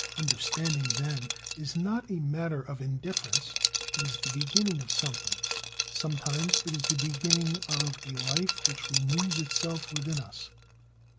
Understanding, then, is not a matter of indifference; it is the beginning of something; sometimes it is the beginning of a life which renews itself within us.